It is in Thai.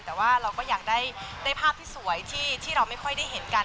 แต่ว่าเราก็อยากได้ภาพที่สวยที่เราไม่ค่อยได้เห็นกัน